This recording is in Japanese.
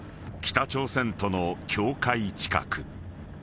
［北朝鮮との境界近く］